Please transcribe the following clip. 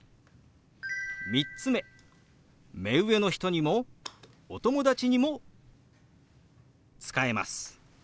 ３つ目目上の人にもお友達にも使えます。